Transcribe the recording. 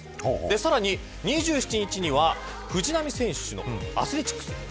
さらに、２７日には藤浪選手のアスレチックス。